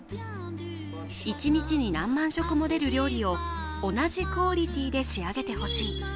一日に何万食も出る料理を同じクオリティーで仕上げてほしい。